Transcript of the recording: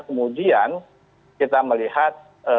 kemudian kita melihat